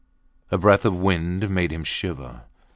A breath of wind made him shiver.